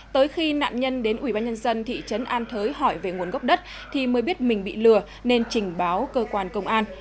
tới khi nạn nhân đến ủy ban nhân dân thị trấn an thới hỏi về nguồn gốc đất thì mới biết mình bị lừa nên trình báo cơ quan công an